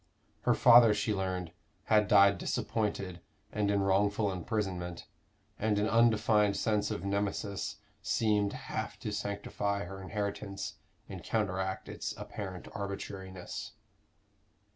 Her father, she learned, had died disappointed and in wrongful imprisonment, and an undefined sense of Nemesis seemed half to sanctify her inheritance, and counteract its apparent arbitrariness.